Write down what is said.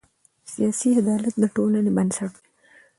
سیاسي عدالت د ټولنې بنسټ دی